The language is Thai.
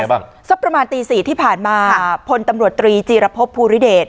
บ้างสักประมาณตีสี่ที่ผ่านมาพลตำรวจตรีจีรพบภูริเดช